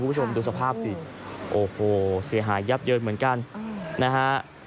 คุณผู้ชมดูสภาพสิโอ้โหเสียหายยับเยินเหมือนกันนะฮะ